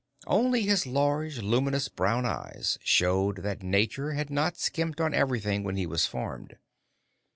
Only his large, luminous brown eyes showed that Nature had not skimped on everything when he was formed.